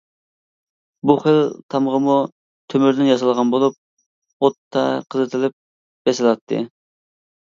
بۇ خىل تامغىمۇ تۆمۈردىن ياسالغان بولۇپ، ئوتتا قىزىتىلىپ بېسىلاتتى.